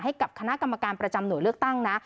ให้กับคณะกรรมการประจำหน่วยเลือกตั้งนะ